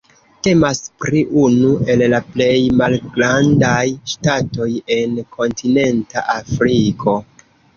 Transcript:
Temas pri unu el la plej malgrandaj ŝtatoj en kontinenta Afriko.